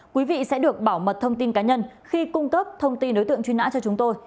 quý vị sẽ được bảo mật thông tin cá nhân khi cung cấp thông tin đối tượng truy nã cho chúng tôi